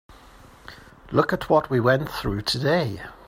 Look at what we went through today.